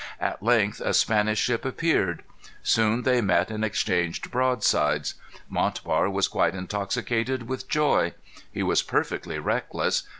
At length, a Spanish ship appeared. Soon they met and exchanged broadsides. Montbar was quite intoxicated with joy. He was perfectly reckless.